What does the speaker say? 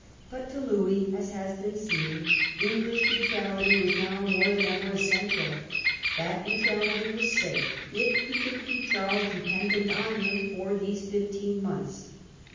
But to Louis, as has been seen, English neutrality was now more than ever essential. That neutrality was safe if he could keep Charles dependent on him for these fifteen months.